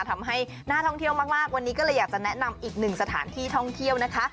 ทำให้น่าท่องเที่ยวมากวันนี้ก็เลยอยากจะแนะนำอีกหนึ่งสถานที่ท่องเที่ยวนะคะ